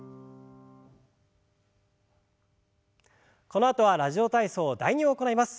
このあとは「ラジオ体操第２」を行います。